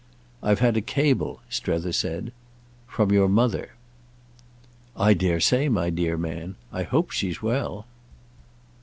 "I've had a cable," Strether said, "from your mother." "I dare say, my dear man. I hope she's well."